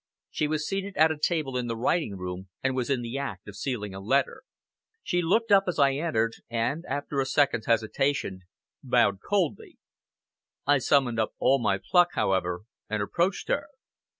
She was seated at a table in the writing room, and was in the act of sealing a letter. She looked up as I entered, and, after a second's hesitation, bowed coldly. I summoned up all my pluck, however, and approached her.